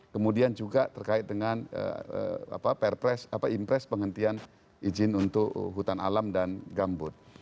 kemudian juga terkait dengan impres penghentian izin untuk hutan alam dan gambut